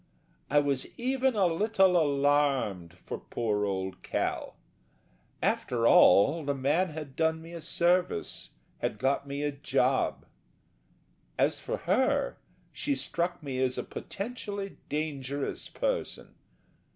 I was even a little alarmed for poor old Cal. After all, the man had done me a service; had got me a job. As for her, she struck me as a potentially dangerous person.